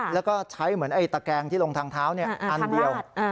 แล้วก็ใช้เหมือนไอ้ตะแกงที่ลงทางเท้าอันเดียว